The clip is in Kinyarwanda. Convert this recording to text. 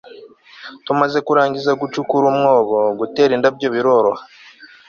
tumaze kurangiza gucukura umwobo, gutera indabyo bizoroha